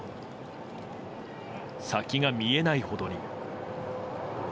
先が見えないほどに。